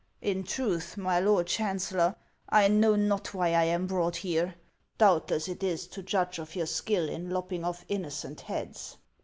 In truth, my lord chancellor, I know not why I am brought here. Doubtless it is to judge of your skill in lop ping off innocent heads.